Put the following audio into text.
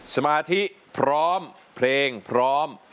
สมาธิพร้อมเพลงพร้อม